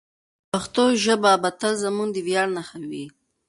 پښتو ژبه به تل زموږ د ویاړ نښه وي.